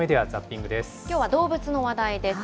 きょうは動物の話題です。